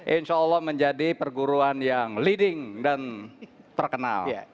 insya allah menjadi perguruan yang leading dan terkenal